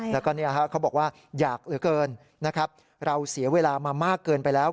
แล้วก็เขาบอกว่าอยากเกินเราเสียเวลามามากเกินไปแล้ว